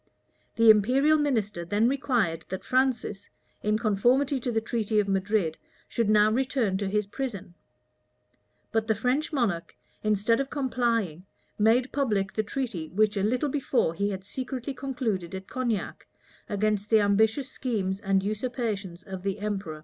The imperial minister then required that Francis, in conformity to the treaty of Madrid, should now return to his prison; but the French monarch, instead of complying, made public the treaty which a little before he had secretly concluded at Cognac, against the ambitious schemes and usurpations of the emperor.